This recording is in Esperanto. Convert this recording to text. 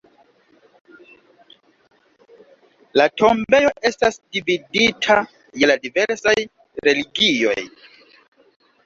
La tombejo estas dividita je la diversaj religioj.